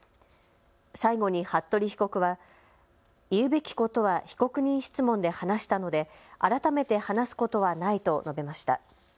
最後に服部被告は言うべきことは被告人質問で話したので改めて話すことはないと述べました。